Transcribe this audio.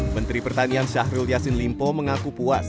menteri pertanian syahrul yassin limpo mengaku puas